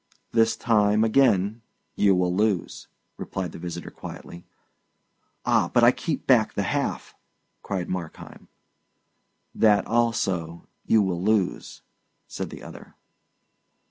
"This time, again, you will lose," replied the visitor quietly. "Ah, but I keep back the half!" cried Markheim. "That also you will lose," said the other.